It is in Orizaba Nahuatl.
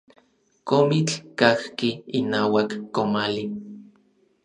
Komitl kajki inauak komali.